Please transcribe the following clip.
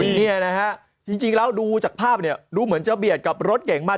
นี่แหละครับจริงแล้วดูจากภาพดูเหมือนจะเบียดกับรถเก่งมาก